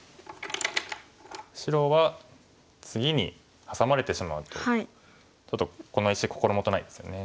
白は次にハサまれてしまうとちょっとこの石心もとないですよね。